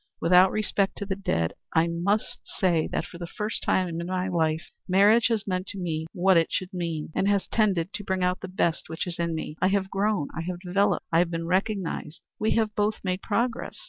Without disrespect to the dead, I may say that for the first time in my life marriage has meant to me what it should mean, and has tended to bring out the best which is in me. I have grown; I have developed; I have been recognized. We have both made progress.